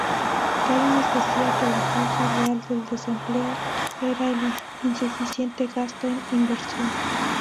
Keynes decía que la causa real del desempleo era el insuficiente gasto en inversión.